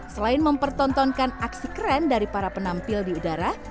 selain mempertontonkan aksi keren dari para penampil di udara